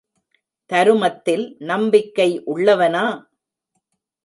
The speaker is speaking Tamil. தருமத்தில் நம்பிக்கை உள்ளவனா?